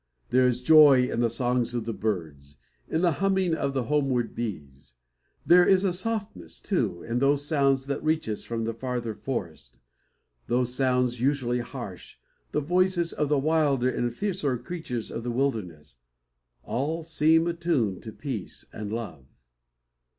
There is joy in the songs of the birds, in the humming of the homeward bees. There is a softness, too, in those sounds that reach us from the farther forest; those sounds usually harsh; the voices of the wilder and fiercer creatures of the wilderness. All seem attuned to peace and love.